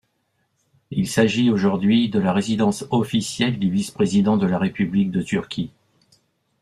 Il s'agit aujourd'hui de la résidence officielle du vice-président de la République de Turquie.